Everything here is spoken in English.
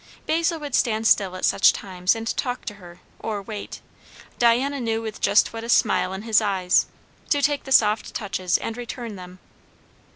Basil would stand still at such times and talk to her, or wait, Diana knew with just what a smile in his eyes, to take the soft touches and return them.